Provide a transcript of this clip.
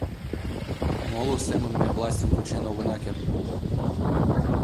Моло семын ме властьым кучен огына керт.